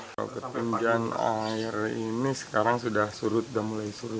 biasa kan iriman dari bogor